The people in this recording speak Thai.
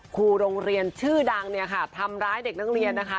ครูโรงเรียนชื่อดังเนี่ยค่ะทำร้ายเด็กนักเรียนนะคะ